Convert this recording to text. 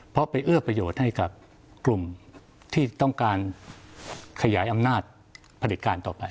เพราะไปเอื้อประโยชน์ให้กับกลุ่มที่ต้องการขยายอำนาจผลิตการต่อไป